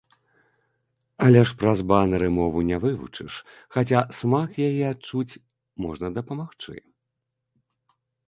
Але ж праз банэры мову не вывучыш, хаця смак яе адчуць можна дапамагчы.